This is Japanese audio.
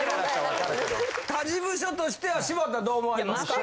他事務所としては柴田どう思われますか？